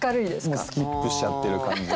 もうスキップしちゃってる感じが。